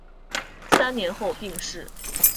三年后病逝。